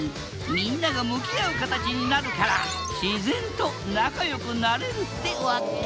みんなが向き合う形になるから自然と仲良くなれるってわけ。